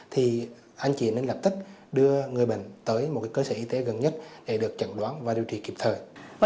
thì anh chị nên lập tức đưa người bệnh tới một cơ sở y tế gần nhất để được chẩn đoán và điều trị kịp thời